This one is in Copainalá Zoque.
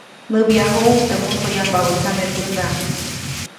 Näbyajuʼuŋ teʼ musoyapabä tsamepändaʼm.